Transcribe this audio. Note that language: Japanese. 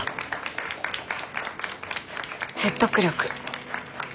説得力。